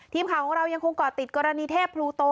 ทีมข่าวของเรายังคงเกาะติดกรณีเทพพลูโต